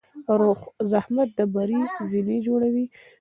زحمت د بری زینې جوړوي.